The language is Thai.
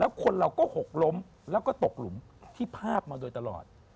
คนเราก็หกล้มแล้วก็ตกหลุมที่ภาพมาโดยตลอด